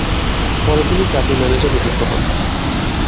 পরে তিনি ক্লাবটির ম্যানেজার নিযুক্ত হন।